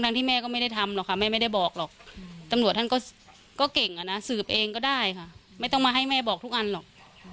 ที่แม่ก็ไม่ได้ทำหรอกค่ะแม่ไม่ได้บอกหรอกตำรวจท่านก็เก่งอะนะสืบเองก็ได้ค่ะไม่ต้องมาให้แม่บอกทุกอันหรอก